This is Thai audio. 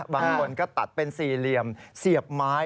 บางคนก็ตัดเป็นสี่เหลี่ยมเสียบไม้